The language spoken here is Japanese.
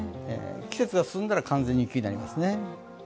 季節が進んだら、完全に雪になりますね。